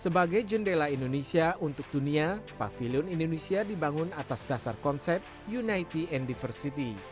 sebagai jendela indonesia untuk dunia pavilion indonesia dibangun atas dasar konsep united and diversity